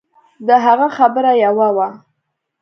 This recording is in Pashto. د هغه خبره يوه وه.